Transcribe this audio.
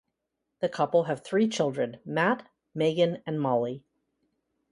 The couple have three children: Matt, Megan, and Molly.